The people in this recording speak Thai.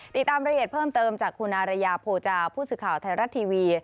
ติดตามรายละเอียดเพิ่มเติมจากคุณอารยาโพจาผู้สื่อข่าวไทยรัฐทีวี